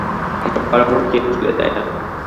আমার পরামর্শ চেয়েছিলে, তাই না?